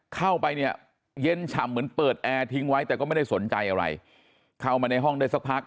เข้าไปเนี่ยเย็นฉ่ำเหมือนเปิดแอร์ทิ้งไว้แต่ก็ไม่ได้สนใจอะไรเข้ามาในห้องได้สักพัก